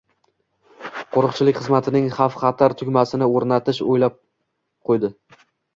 qo‘riqchilik xizmatining xavf-xatar tugmasini o‘rnatishni o'ylab qo'ydi.